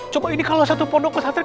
coba ini kalau satu pondok pesatria